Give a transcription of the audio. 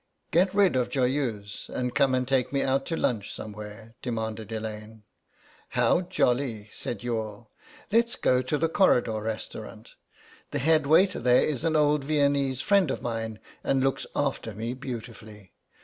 "Get rid of Joyeuse and come and take me out to lunch somewhere," demanded Elaine. "How jolly," said Youghal. "Let's go to the Corridor Restaurant. The head waiter there is an old Viennese friend of mine and looks after me beautifully.